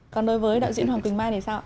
còn đối với đạo diễn hoàng quỳnh mai thì sao ạ